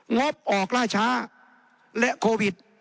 งบออกล่าช้าและโควิด